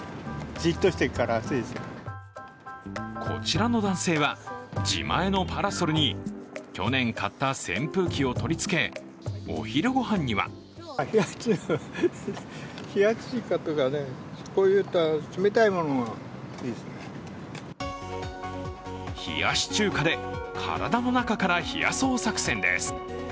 こちらの男性は、自前のパラソルに去年買った扇風機を取り付けお昼ご飯には冷やし中華で体の中から冷やそう作戦です。